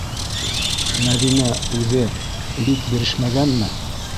- Мәҙинә... үҙе... бик бирешмәгәнме?